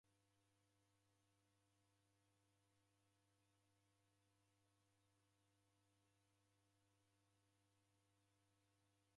Wakushinga mavuda w'ushunyi